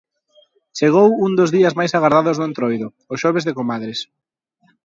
Chegou un dos días máis agardados do Entroido, o Xoves de Comadres.